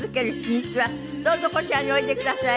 どうぞこちらにおいでください。